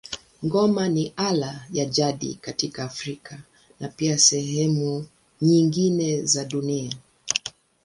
Ngoma ni ala ya jadi katika Afrika na pia sehemu nyingine za dunia.